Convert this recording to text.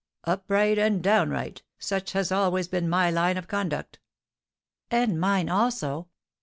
Upright and downright, such has always been my line of conduct." "And mine, also!